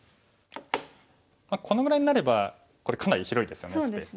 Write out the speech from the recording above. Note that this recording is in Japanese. このぐらいになればこれかなり広いですよね。